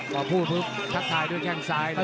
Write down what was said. ก็พูดทักทายด้วยแข่งซ้าย